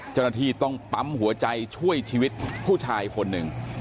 เจ้าหน้าที่ต้องปั๊มหัวใจช่วยชีวิตผู้ชายคนหนึ่ง